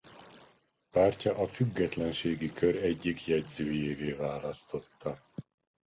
Pártja a függetlenségi kör egyik jegyzőjévé választotta.